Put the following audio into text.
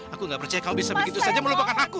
aku gak percaya kamu bisa begitu saja melupakan aku